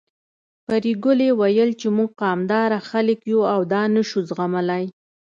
پري ګلې ويل چې موږ قامداره خلک يو او دا نه شو زغملی